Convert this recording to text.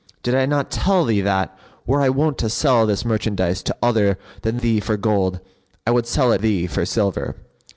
Did I not tell thee that, were I wont to sell this merchandise to other than thee for gold, I would sell it thee for silver?"